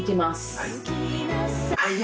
はい。